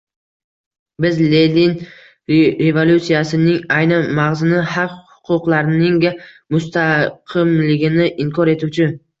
Biz Lenin revolyutsiyasining ayni mag‘zini — haq-huquqlarning mustaqimligini inkor etuvchi